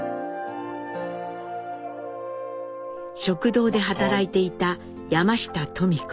食堂で働いていた山下登美子。